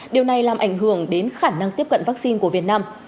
điều này làm ảnh hưởng đến khả năng tiếp cận vaccine của việt nam